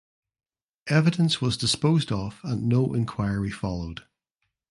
Evidence was disposed of and no inquiry followed.